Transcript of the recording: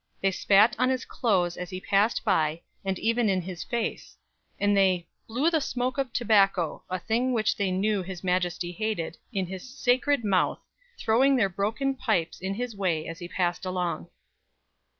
They spat on his clothes as he passed by, and even in his face; and they "blew the smoak of Tobacco, a thing which they knew his Majesty hated, in his sacred mouth, throwing their broken Pipes in his way as he passed along."